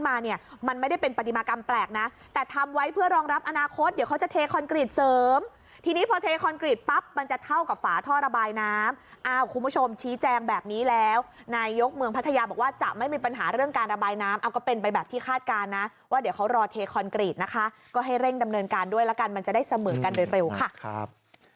เดี๋ยวเขาจะเทคอนกรีตเสริมทีนี้พอเทคอนกรีตปั๊บมันจะเท่ากับฝาท่อระบายน้ำอ้าวคุณผู้ชมชี้แจงแบบนี้แล้วนายยกเมืองพัทยาบอกว่าจะไม่มีปัญหาเรื่องการระบายน้ำเอาก็เป็นไปแบบที่คาดการณ์นะว่าเดี๋ยวเขารอเทคอนกรีตนะคะก็ให้เร่งดำเนินการด้วยแล้วกันมันจะได้เสมอกันเร็วค่ะครับ